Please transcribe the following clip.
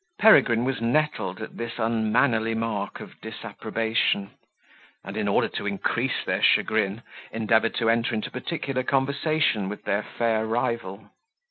Peregrine was nettled at this unmannerly mark of disapprobation, and, in order to increase their chagrin, endeavoured to enter into particular conversation with their fair rival.